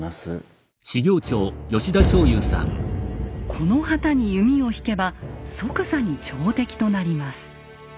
この旗に弓を引けば即座に朝敵となります。